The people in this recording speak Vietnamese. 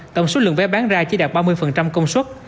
tổng số lượng vé bán ra chỉ đạt ba mươi công suất